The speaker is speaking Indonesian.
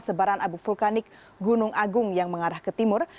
sebaran abu vulkanik gunung agung yang mengarah ke timur